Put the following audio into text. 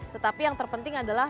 tetapi yang terpenting adalah